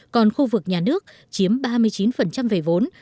còn khu vực nhà nước chiếm ba mươi chín về vốn